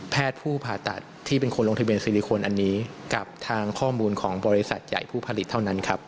ผู้ผ่าตัดที่เป็นคนลงทะเบียซิลิโคนอันนี้กับทางข้อมูลของบริษัทใหญ่ผู้ผลิตเท่านั้นครับ